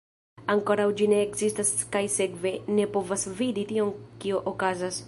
Ankoraŭ ĝi ne ekzistas kaj sekve, ne povas vidi tion kio okazas.